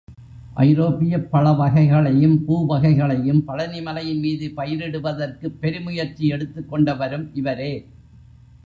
ஐரோப்பியப் பழவகைகளையும் பூவகைகளையும் பழனிமலையின் மீது பயிரிடுவதற்குப் பெருமுயற்சி எடுத்துக்கொண்டவரும் இவரே.